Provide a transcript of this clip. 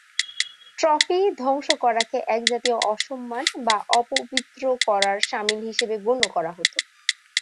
Trophy ধ্বংস করাকে একজাতীয় অসম্মান বা অপবিত্র করার সামিল হিসেবে গণ্য করা হতো।